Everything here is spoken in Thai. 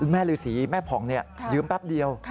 ฤษีแม่ผ่องยืมแป๊บเดียว